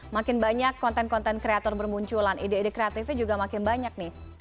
makin banyak konten konten kreator bermunculan ide ide kreatifnya juga makin banyak nih